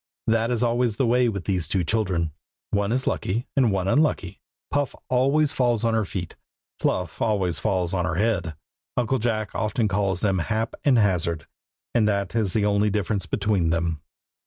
That is always the way with those two children. One is lucky, and one unlucky. Puff always falls on her feet. Fluff always falls on her head. Uncle Jack often calls them Hap and Hazard, and that is the only difference between them.